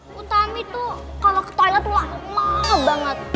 kutami tuh kalo ke toilet wah enak banget